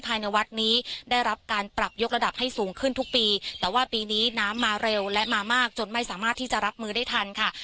ภายในวัดนี้ได้รับการปรับยกระดับให้สูงขึ้นทุกปีแต่ว่าปีนี้น้ำมาเร็วและมามากจนไม่สามารถที่จะรับมือได้ทันค่ะ